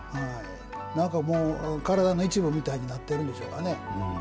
体の一部みたいになってるんでしょうかね。